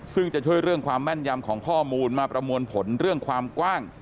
ซึ่งจะช่วยเรื่องความแม่นยำของข้อมูลมาประมวลผลเรื่องความกว้าง